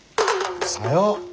さよう。